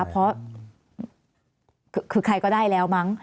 เพราะคือใครก็ได้แล้วมั้ง